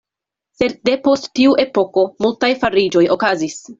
Sed depost tiu epoko multaj fariĝoj okazis.